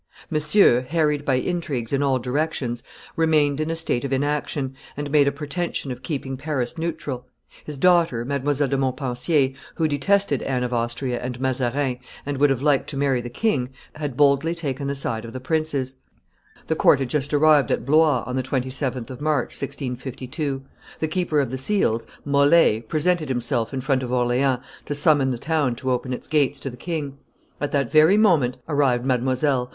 Monsieur, harried by intrigues in all directions, remained in a state of inaction, and made a pretension of keeping Paris neutral; his daughter, Mdlle. de Montpensier, who detested Anne of Austria and Mazarin, and would have liked to marry the king, had boldly taken the side of the princes; the court had just arrived at Blois, on the 27th of March, 1652; the keeper of the seals, Mole, presented himself in front of Orleans to summon the town to open its gates to the king; at that very moment arrived Mdlle.